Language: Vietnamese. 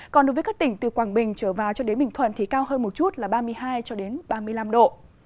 còn đối với các tỉnh từ quảng bình trở vào cho đến bình thuận thì cao hơn một chút là ba mươi hai ba mươi năm độ